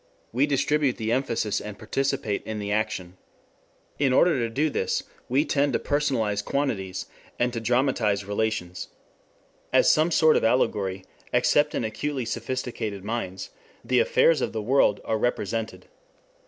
We distribute the emphasis and participate in the action. In order to do this we tend to personalize quantities, and to dramatize relations. As some sort of allegory, except in acutely sophisticated minds, the affairs of the world are represented.